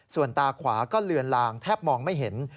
ส่วนตาขวาก็เลือนลางแทบมองไม่เห็น